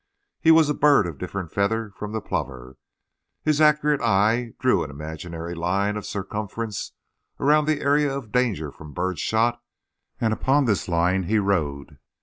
He was a bird of different feather from the plover. His accurate eye drew an imaginary line of circumference around the area of danger from bird shot, and upon this line he rode.